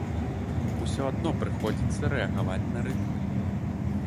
Усё адно прыходзіцца рэагаваць на рынак.